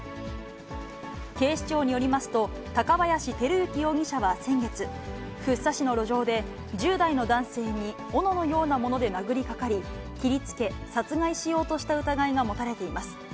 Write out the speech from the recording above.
警視庁によりますと、高林輝行容疑者は先月、福生市の路上で、１０代の男性に、おののようなもので殴りかかり、切りつけ、殺害しようとした疑いが持たれています。